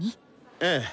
ええ。